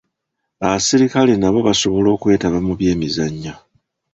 Asirikale nabo basobola okwetaaba mu byemizannyo.